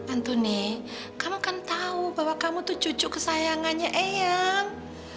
antoni kamu kan tahu bahwa kamu itu cucu kesayangannya ayang